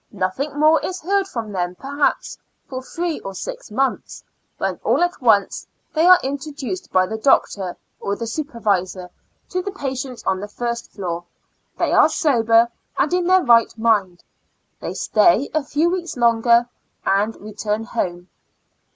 Nothing more is heard from them perhaps for three or six months, when all at once, they are introduced by the doctor, or the supervisor, to the patients on the first floor; they are sober and in their right 120 ^^^ Years and Fo ur Months mind; they stay a few weeks longer and return home.